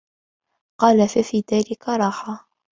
قَالَ فَفِي ذَلِكَ رَاحَةٌ